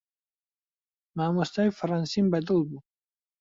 مامۆستای فەڕەنسیم بەدڵ بوو.